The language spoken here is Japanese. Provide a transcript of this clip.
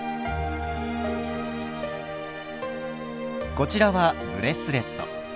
こちらはブレスレット。